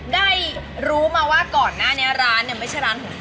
ได้รู้มาว่าก่อนหน้านี้ร้านเนี่ยไม่ใช่ร้านของเธอ